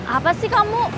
apa sih kamu